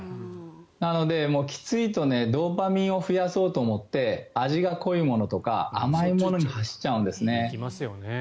なので、きついとドーパミンを増やそうと思って味が濃いものとか甘いものに走っちゃうんですね。